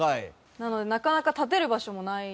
なのでなかなか建てる場所もなくて。